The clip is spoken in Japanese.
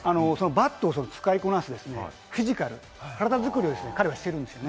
バットを使いこなすフィジカル、体作りを彼はしてるんです。